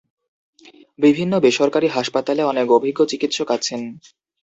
বিভিন্ন বেসরকারি হাসপাতালে অনেক অভিজ্ঞ চিকিৎসক আছেন।